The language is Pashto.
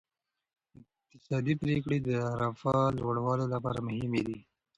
اقتصادي پریکړې د رفاه لوړولو لپاره مهمې دي.